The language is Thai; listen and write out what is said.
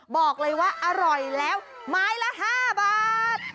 บอกเลยว่าอร่อยแล้วไม้ละ๕บาท